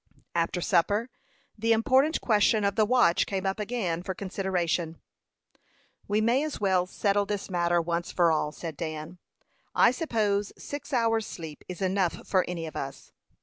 After supper, the important question of the watch came up again for consideration. "We may as well settle this matter once for all," said Dan. "I suppose six hours' sleep is enough for any of us."